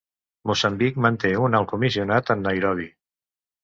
Moçambic manté un Alt Comissionat en Nairobi.